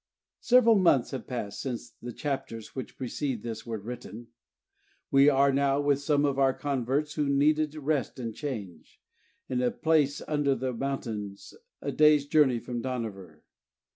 Several months have passed since the chapters which precede this were written. We are now, with some of our converts who needed rest and change, in a place under the mountains a day's journey from Dohnavur.